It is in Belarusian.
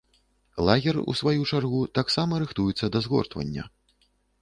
Лагер, у сваю чаргу, таксама рыхтуецца да згортвання.